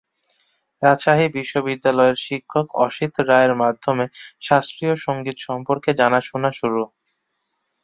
রাজশাহী বিশ্ববিদ্যালয়ের শিক্ষক অসিত রায়ের মাধ্যমে শাস্ত্রীয় সংগীত সম্পর্কে জানাশোনা শুরু।